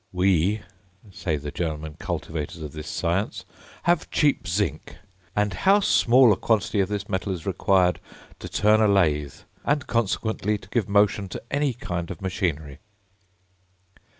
"We," say the German cultivators of this science, "have cheap zinc, and, how small a quantity of this metal is required to turn a lathe, and consequently to give motion to any kind of machinery!"